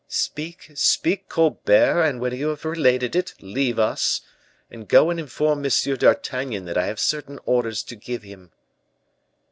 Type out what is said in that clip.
"Speak, speak, Colbert; and when you have related it, leave us, and go and inform M. d'Artagnan that I have certain orders to give him."